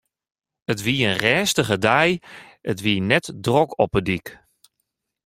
It wie in rêstige dei en it wie net drok op 'e dyk.